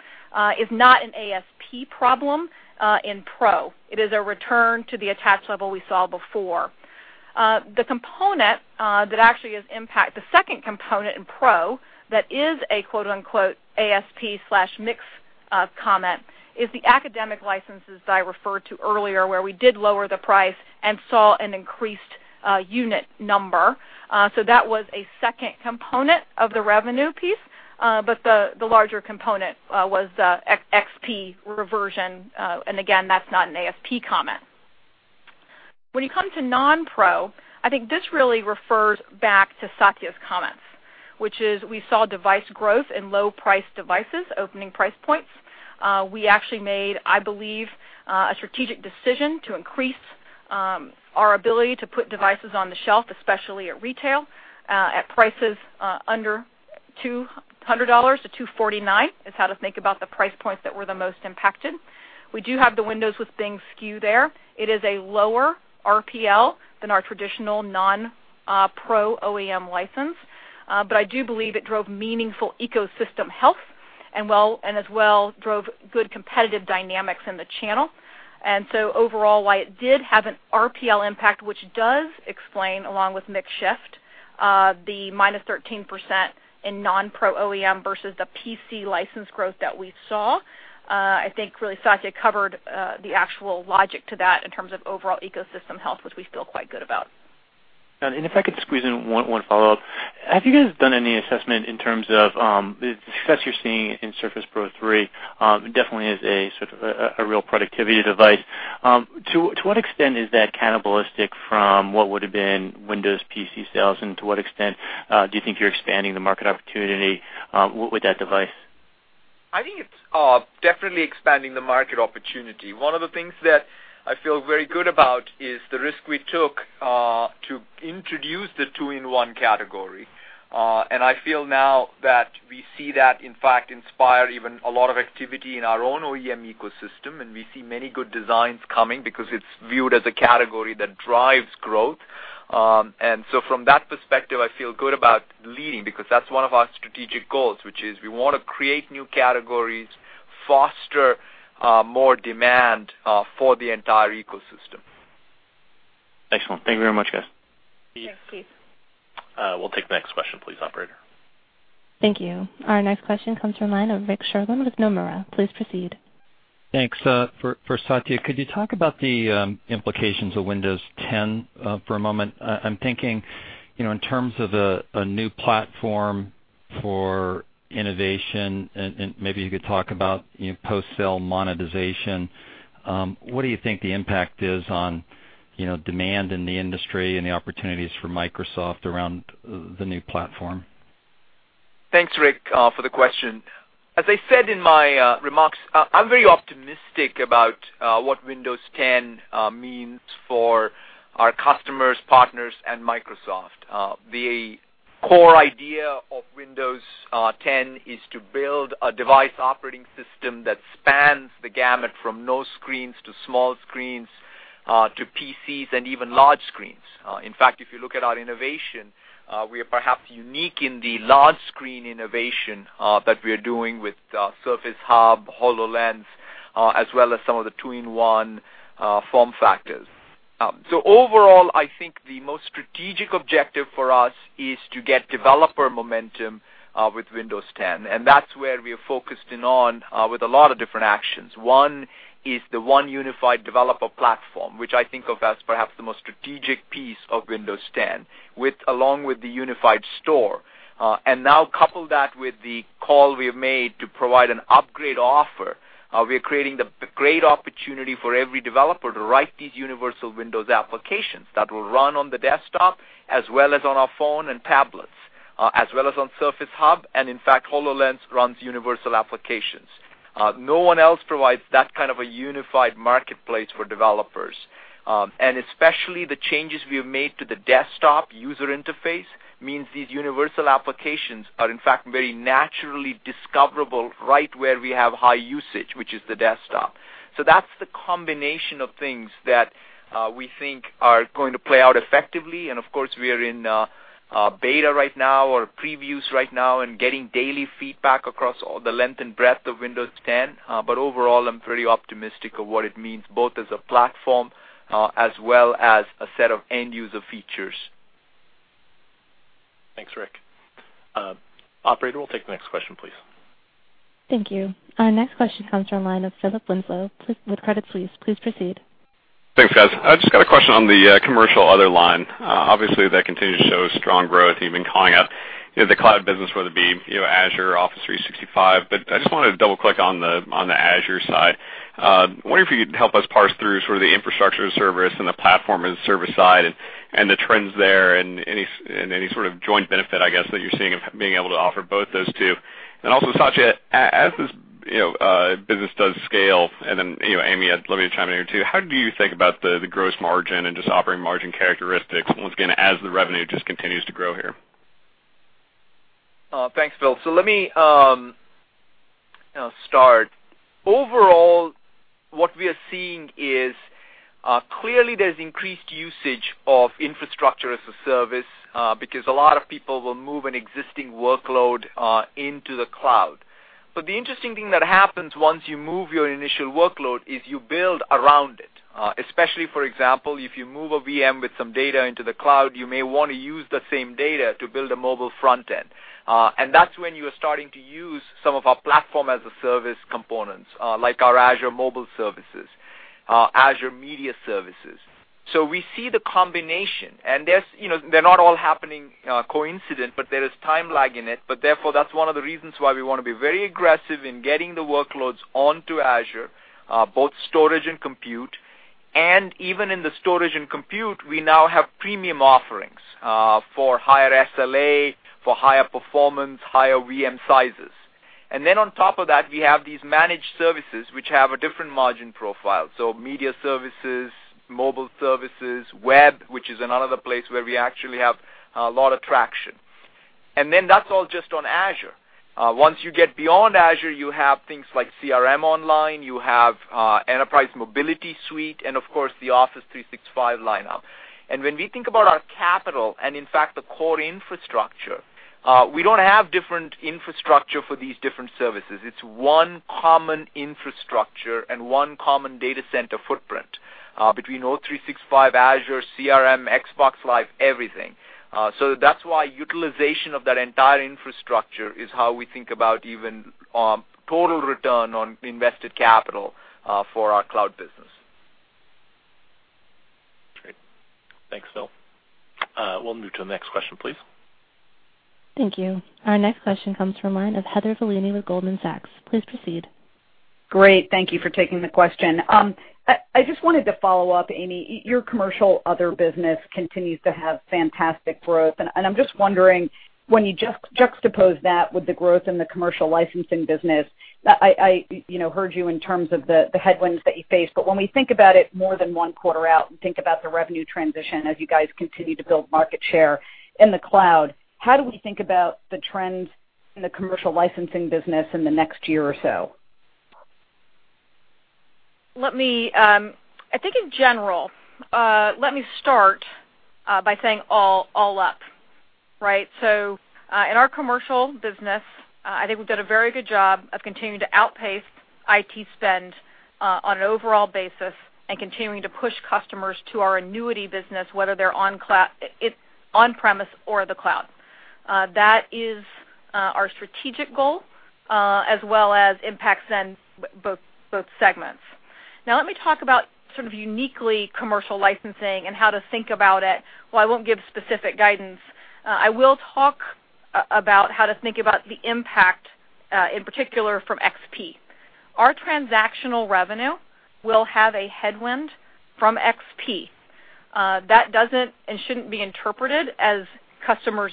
is not an ASP problem in Pro. It is a return to the attach level we saw before. The second component in Pro that is a quote, unquote, "ASP/mix comment" is the academic licenses that I referred to earlier where we did lower the price and saw an increased unit number. That was a second component of the revenue piece. The larger component was Windows XP reversion. Again, that's not an ASP comment. When you come to non-Pro, I think this really refers back to Satya's comments, which is we saw device growth in low-price devices, opening price points. We actually made, I believe, a strategic decision to increase our ability to put devices on the shelf, especially at retail, at prices under $200-$249, is how to think about the price points that were the most impacted. We do have the Windows with Bing SKU there. It is a lower RPL than our traditional non-Pro OEM license. I do believe it drove meaningful ecosystem health and as well drove good competitive dynamics in the channel. So overall, while it did have an RPL impact, which does explain, along with mix shift, the -13% in non-Pro OEM versus the PC license growth that we saw, I think really Satya covered the actual logic to that in terms of overall ecosystem health, which we feel quite good about. If I could squeeze in one follow-up. Have you guys done any assessment in terms of the success you're seeing in Surface Pro 3 definitely is a sort of a real productivity device. To what extent is that cannibalistic from what would've been Windows PC sales, and to what extent do you think you're expanding the market opportunity with that device? I think it's definitely expanding the market opportunity. One of the things that I feel very good about is the risk we took to introduce the two-in-one category. I feel now that we see that, in fact, inspire even a lot of activity in our own OEM ecosystem, and we see many good designs coming because it's viewed as a category that drives growth. So from that perspective, I feel good about leading because that's one of our strategic goals, which is we want to create new categories, foster more demand for the entire ecosystem. Excellent. Thank you very much, guys. Thanks, Keith. We'll take the next question, please, operator. Thank you. Our next question comes from the line of Rick Sherlund with Nomura. Please proceed. Thanks. For Satya, could you talk about the implications of Windows 10 for a moment? I'm thinking in terms of a new platform for innovation, and maybe you could talk about post-sale monetization. What do you think the impact is on demand in the industry and the opportunities for Microsoft around the new platform? Thanks, Rick, for the question. As I said in my remarks, I'm very optimistic about what Windows 10 means for our customers, partners, and Microsoft. The core idea of Windows 10 is to build a device operating system that spans the gamut from no screens to small screens to PCs and even large screens. In fact, if you look at our innovation, we are perhaps unique in the large screen innovation that we are doing with Surface Hub, HoloLens, as well as some of the two-in-one form factors. Overall, I think the most strategic objective for us is to get developer momentum with Windows 10, and that's where we are focused in on with a lot of different actions. One is the one unified developer platform, which I think of as perhaps the most strategic piece of Windows 10, along with the unified store. Now couple that with the call we have made to provide an upgrade offer. We are creating the great opportunity for every developer to write these universal Windows applications that will run on the desktop as well as on our phone and tablets, as well as on Surface Hub. In fact, HoloLens runs universal applications. No one else provides that kind of a unified marketplace for developers. Especially the changes we have made to the desktop user interface means these universal applications are, in fact, very naturally discoverable right where we have high usage, which is the desktop. That's the combination of things that we think are going to play out effectively. Of course, we are in beta right now or previews right now and getting daily feedback across the length and breadth of Windows 10. Overall, I'm pretty optimistic of what it means, both as a platform as well as a set of end-user features. Thanks, Rick. Operator, we'll take the next question, please. Thank you. Our next question comes from the line of Philip Winslow, with Credit Suisse. Please proceed. Thanks, guys. I just got a question on the commercial other line. Obviously, that continues to show strong growth. You've been calling out the cloud business, whether it be Azure or Office 365. I just wanted to double-click on the Azure side. Wondering if you could help us parse through sort of the infrastructure as a service and the platform as a service side and the trends there and any sort of joint benefit, I guess, that you're seeing of being able to offer both those two. Also, Satya, as this business does scale, then, Amy, let me chime in here, too. How do you think about the gross margin and just operating margin characteristics once again, as the revenue just continues to grow here? Thanks, Phil. Let me start. Overall, what we are seeing is clearly there's increased usage of infrastructure as a service because a lot of people will move an existing workload into the cloud. The interesting thing that happens once you move your initial workload is you build around it. Especially, for example, if you move a VM with some data into the cloud, you may want to use the same data to build a mobile front end. That's when you are starting to use some of our platform as a service components, like our Azure Mobile Services, Azure Media Services. We see the combination, and they're not all happening coincident, but there is time lag in it. Therefore, that's one of the reasons why we want to be very aggressive in getting the workloads onto Azure, both storage and compute. Even in the storage and compute, we now have premium offerings for higher SLA, for higher performance, higher VM sizes. Then on top of that, we have these managed services which have a different margin profile. Media services, mobile services, web, which is another place where we actually have a lot of traction. Then that's all just on Azure. Once you get beyond Azure, you have things like CRM Online, you have Enterprise Mobility Suite, and of course, the Office 365 lineup. When we think about our capital and in fact, the core infrastructure, we don't have different infrastructure for these different services. It's one common infrastructure and one common data center footprint between O365, Azure, CRM, Xbox Live, everything. That's why utilization of that entire infrastructure is how we think about even total return on invested capital for our cloud business. Great. Thanks, Phil. We'll move to the next question, please. Thank you. Our next question comes from line of Heather Bellini with Goldman Sachs. Please proceed. Great. Thank you for taking the question. I just wanted to follow up, Amy. Your commercial other business continues to have fantastic growth, and I'm just wondering when you juxtapose that with the growth in the commercial licensing business, I heard you in terms of the headwinds that you face, when we think about it more than one quarter out and think about the revenue transition as you guys continue to build market share in the cloud, how do we think about the trends in the commercial licensing business in the next year or so? I think in general, let me start by saying all up, right? In our commercial business, I think we've done a very good job of continuing to outpace IT spend on an overall basis and continuing to push customers to our annuity business, whether they're on-premise or the cloud. That is our strategic goal as well as impacts in both segments. Let me talk about sort of uniquely commercial licensing and how to think about it. While I won't give specific guidance, I will talk about how to think about the impact, in particular from Windows XP. Our transactional revenue will have a headwind from Windows XP. That doesn't and shouldn't be interpreted as customers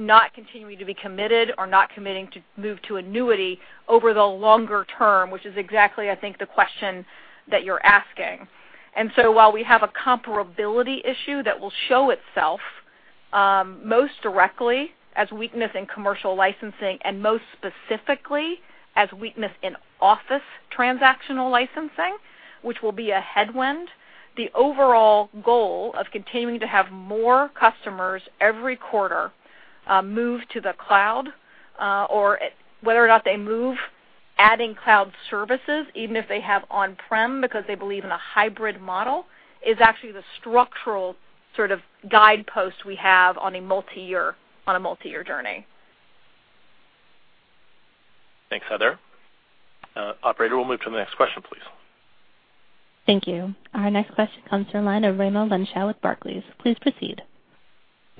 not continuing to be committed or not committing to move to annuity over the longer term, which is exactly, I think, the question that you're asking. While we have a comparability issue that will show itself most directly as weakness in commercial licensing and most specifically as weakness in Office transactional licensing, which will be a headwind, the overall goal of continuing to have more customers every quarter move to the cloud, or whether or not they move, adding cloud services, even if they have on-prem because they believe in a hybrid model, is actually the structural sort of guidepost we have on a multi-year journey. Thanks, Heather. Operator, we'll move to the next question, please. Thank you. Our next question comes from the line of Raimo Lenschow with Barclays. Please proceed.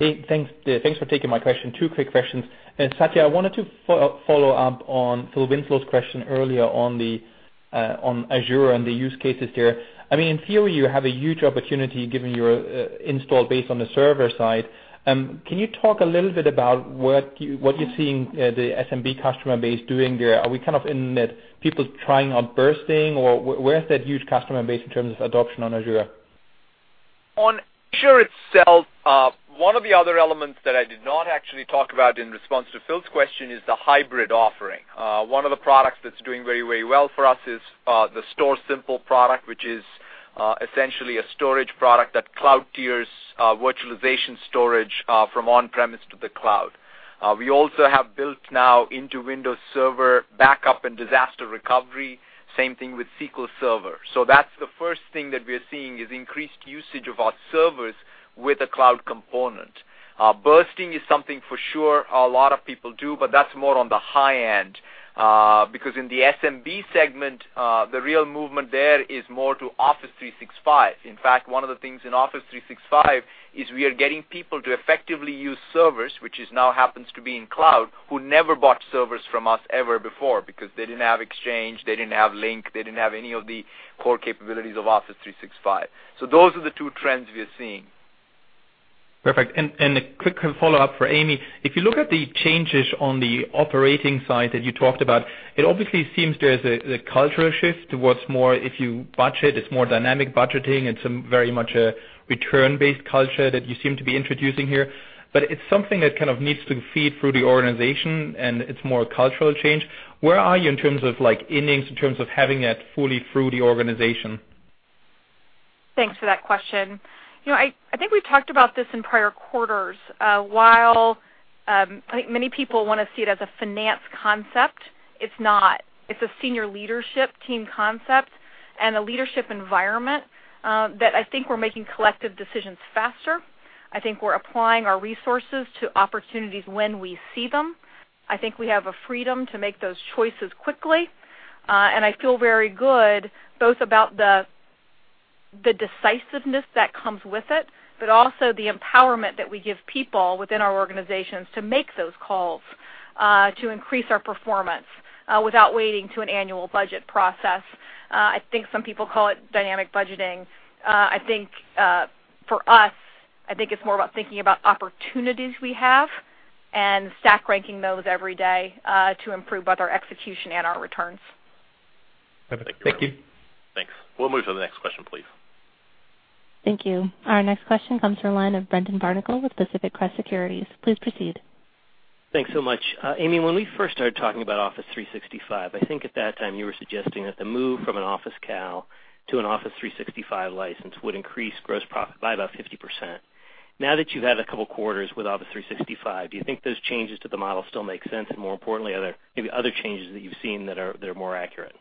Hey, thanks. Yeah, thanks for taking my question. Two quick questions. Satya, I wanted to follow up on Phil Winslow's question earlier on Azure and the use cases there. In theory, you have a huge opportunity given your install base on the server side. Can you talk a little bit about what you're seeing the SMB customer base doing there? Are we in that people trying on bursting or where is that huge customer base in terms of adoption on Azure? On Azure itself, one of the other elements that I did not actually talk about in response to Phil's question is the hybrid offering. One of the products that's doing very well for us is the StorSimple product, which is essentially a storage product that cloud-tiers virtualization storage from on-premise to the cloud. We also have built now into Windows Server backup and disaster recovery, same thing with SQL Server. That's the first thing that we're seeing is increased usage of our servers with a cloud component. Bursting is something for sure a lot of people do, but that's more on the high end. Because in the SMB segment, the real movement there is more to Office 365. In fact, one of the things in Office 365 is we are getting people to effectively use servers, which is now happens to be in cloud, who never bought servers from us ever before because they didn't have Exchange, they didn't have Lync, they didn't have any of the core capabilities of Office 365. Those are the two trends we are seeing. Perfect. A quick follow-up for Amy. If you look at the changes on the operating side that you talked about, it obviously seems there's a cultural shift towards more if you budget, it's more dynamic budgeting. It's very much a return-based culture that you seem to be introducing here. It's something that kind of needs to feed through the organization, and it's more a cultural change. Where are you in terms of innings, in terms of having that fully through the organization? Thanks for that question. I think we've talked about this in prior quarters. While I think many people want to see it as a finance concept, it's not. It's a senior leadership team concept and a leadership environment that I think we're making collective decisions faster. I think we're applying our resources to opportunities when we see them. I think we have a freedom to make those choices quickly. I feel very good both about the decisiveness that comes with it, but also the empowerment that we give people within our organizations to make those calls to increase our performance without waiting to an annual budget process. I think some people call it dynamic budgeting. I think for us, I think it's more about thinking about opportunities we have and stack ranking those every day to improve both our execution and our returns. Perfect. Thank you. Thanks. We'll move to the next question, please. Thank you. Our next question comes from the line of Brendan Barnicle with Pacific Crest Securities. Please proceed. Thanks so much. Amy, when we first started talking about Office 365, I think at that time you were suggesting that the move from an Office CAL to an Office 365 license would increase gross profit by about 50%. Now that you've had a couple of quarters with Office 365, do you think those changes to the model still make sense? More importantly, are there maybe other changes that you've seen that are more accurate?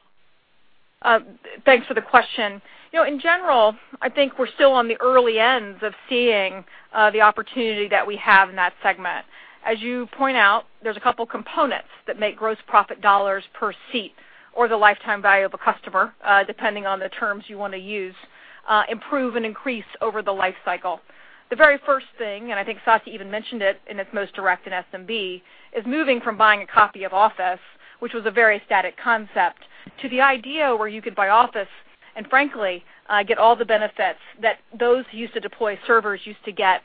Thanks for the question. In general, I think we're still on the early ends of seeing the opportunity that we have in that segment. As you point out, there's a couple components that make gross profit dollars per seat or the lifetime value of a customer, depending on the terms you want to use, improve and increase over the life cycle. The very first thing, and I think Satya even mentioned it in its most direct in SMB, is moving from buying a copy of Office, which was a very static concept, to the idea where you could buy Office and frankly, get all the benefits that those used to deploy servers used to get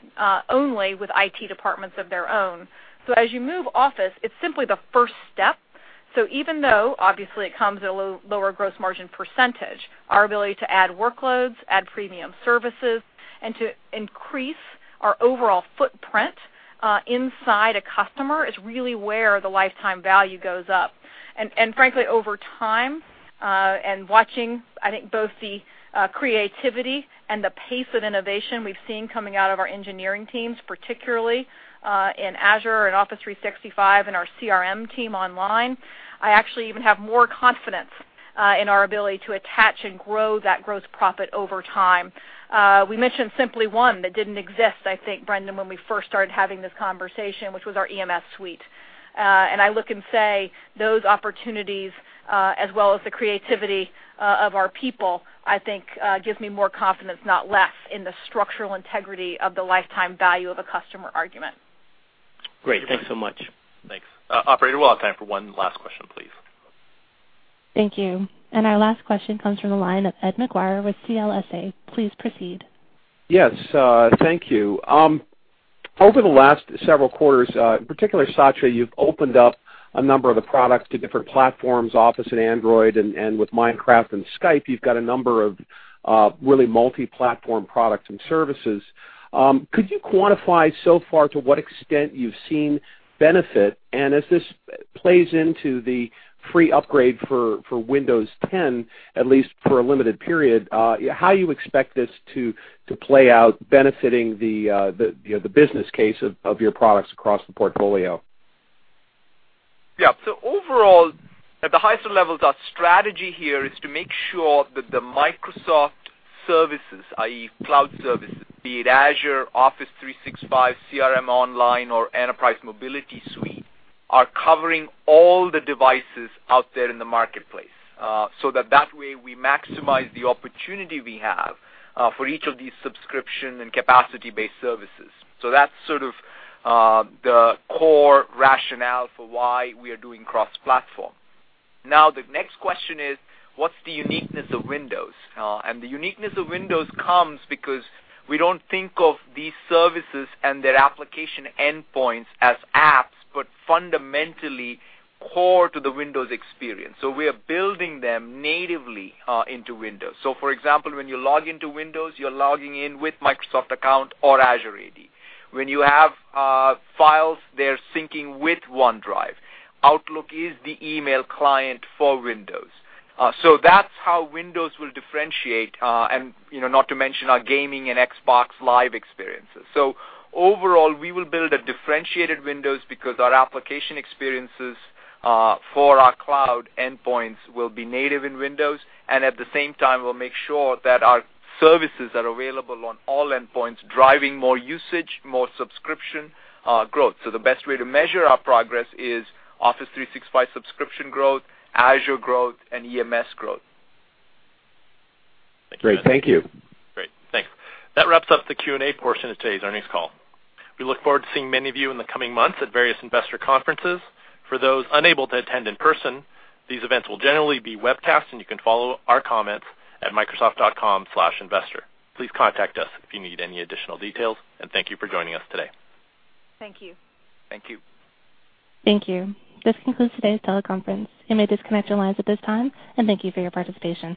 only with IT departments of their own. As you move Office, it's simply the first step. Even though obviously it comes at a lower gross margin %, our ability to add workloads, add premium services, and to increase our overall footprint inside a customer is really where the lifetime value goes up. Frankly, over time, and watching, I think both the creativity and the pace of innovation we've seen coming out of our engineering teams, particularly in Azure and Office 365 and our CRM Online, I actually even have more confidence in our ability to attach and grow that gross profit over time. We mentioned simply one that didn't exist, I think, Brendan, when we first started having this conversation, which was our EMS suite. I look and say those opportunities, as well as the creativity of our people, I think gives me more confidence, not less, in the structural integrity of the lifetime value of a customer argument. Great. Thanks so much. Thanks. Operator, we'll have time for one last question, please. Thank you. Our last question comes from the line of Ed Maguire with CLSA. Please proceed. Yes. Thank you. Over the last several quarters, particularly Satya, you've opened up a number of the products to different platforms, Office and Android, with Minecraft and Skype, you've got a number of really multi-platform products and services. Could you quantify so far to what extent you've seen benefit? As this plays into the free upgrade for Windows 10, at least for a limited period, how you expect this to play out benefiting the business case of your products across the portfolio? Overall, at the highest of levels, our strategy here is to make sure that the Microsoft Services, i.e., cloud services, be it Azure, Office 365, CRM Online, or Enterprise Mobility Suite, are covering all the devices out there in the marketplace, so that that way we maximize the opportunity we have for each of these subscription and capacity-based services. That's sort of the core rationale for why we are doing cross-platform. Now, the next question is, what's the uniqueness of Windows? The uniqueness of Windows comes because we don't think of these services and their application endpoints as apps, but fundamentally core to the Windows experience. We are building them natively into Windows. For example, when you log into Windows, you're logging in with Microsoft account or Azure AD. When you have files, they're syncing with OneDrive. Outlook is the email client for Windows. That's how Windows will differentiate, and not to mention our gaming and Xbox Live experiences. Overall, we will build a differentiated Windows because our application experiences for our cloud endpoints will be native in Windows, and at the same time, we'll make sure that our services are available on all endpoints, driving more usage, more subscription growth. The best way to measure our progress is Office 365 subscription growth, Azure growth, and EMS growth. Great. Thank you. Great. Thanks. That wraps up the Q&A portion of today's earnings call. We look forward to seeing many of you in the coming months at various investor conferences. For those unable to attend in person, these events will generally be webcast, and you can follow our comments at microsoft.com/investor. Please contact us if you need any additional details, and thank you for joining us today. Thank you. Thank you. Thank you. This concludes today's teleconference. You may disconnect your lines at this time, and thank you for your participation.